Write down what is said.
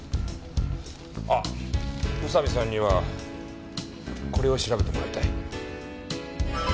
あっ宇佐見さんにはこれを調べてもらいたい。